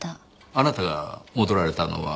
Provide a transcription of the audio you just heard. あなたが戻られたのは？